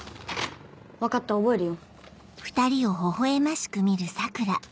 分かった覚えるよ。